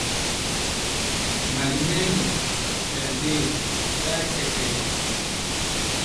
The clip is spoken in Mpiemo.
Mali mɛma bɛ ri dɛyɛ tari kɛkɛɛ.